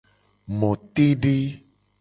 Motede.